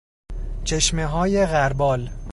چشمههای غربال